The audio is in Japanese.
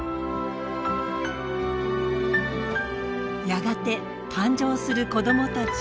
やがて誕生する子どもたち。